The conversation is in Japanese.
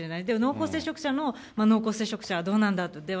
でも濃厚接触者の濃厚接触者はどうなんだと。